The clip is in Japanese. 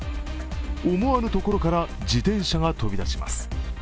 思わぬところから、自転車が飛び出します。